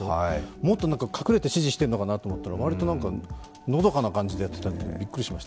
もっと隠れて指示しているのかなと思ったら割と、のどかな感じでやっていたのでビックリしました。